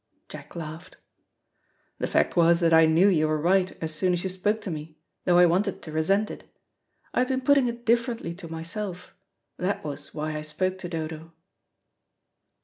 Jack laughed. "The fact was that I knew you were right as soon as you spoke to me, though I wanted to resent it. I had been putting it differently to myself; that was why I spoke to Dodo."